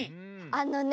あのね